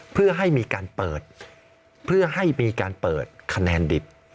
เพื่อให้มีการเปิดเพื่อให้มีการเปิดคะแนนดิบ